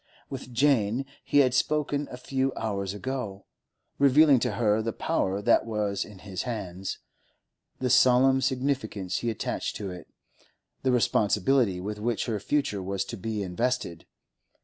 With Jane he had spoken a few hours ago, revealing to her the power that was in his hands, the solemn significance he attached to it, the responsibility with which her future was to be invested.